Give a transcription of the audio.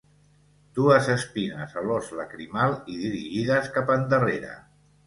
Dues espines a l'os lacrimal i dirigides cap endarrere.